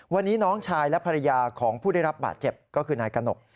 วันนี้น้องชายและภรรยาของผู้ได้รับบาดเจ็บก็คือนายกระหนก